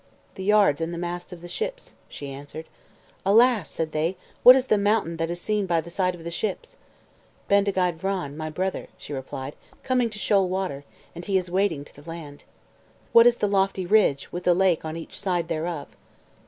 "The yards and the masts of ships," she answered. "Alas!" said they; "what is the mountain that is seen by the side of the ships?" "Bendigeid Vran, my brother," she replied, "coming to shoal water, and he is wading to the land." "What is the lofty ridge, with the lake on each side thereof?"